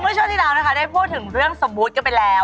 คือมุชนที่เรานะคะได้พูดถึงเรื่องสมบูรณ์กันไปแล้ว